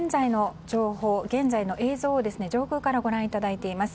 現在の映像を上空からご覧いただいています。